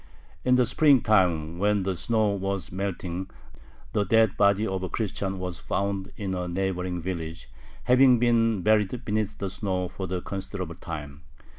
In the springtime, when the snow was melting, the dead body of a Christian was found in a neighboring village, having been buried beneath the snow for a considerable time.